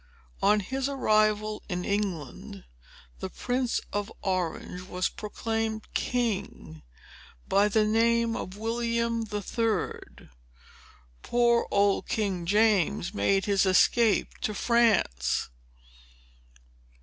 On his arrival in England, the Prince of Orange was proclaimed king, by the name of William the Third. Poor old King James made his escape to France."